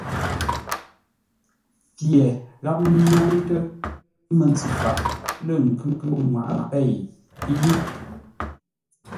Pye gháp nyáŋtə́ mə́ntsʉ faʼ lə́ ngʉ́ pənŋwaʼa pěi yiʼ.